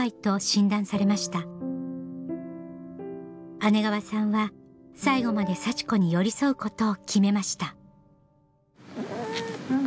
姉川さんは最期まで幸子に寄り添うことを決めましたうん。